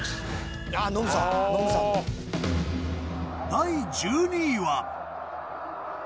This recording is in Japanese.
第１２位は。